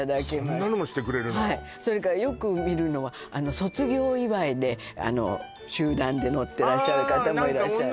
そんなのもしてくれるのそれからよく見るのは卒業祝いで集団で乗ってらっしゃる方もいらっしゃいます